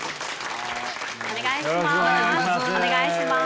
お願いします。